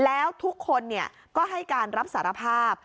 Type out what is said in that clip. แล้วทุกคนก็ให้การรับสารภาพ